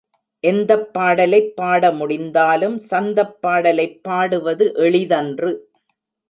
எந்தப் பாடலைப் பாட முடிந்தாலும் சந்தப் பாடலைப் பாடுவது எளிதன்று.